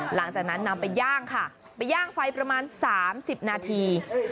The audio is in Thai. หลังจากนั้นนำไปย่างค่ะไปย่างไฟประมาณ๓๐นาที